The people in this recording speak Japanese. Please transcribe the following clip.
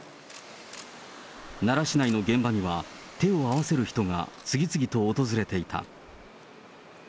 奈良市内の現場には手を合わせる人が次々と訪れていた。